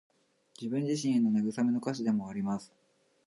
自分自身への慰めの歌詞でもあります。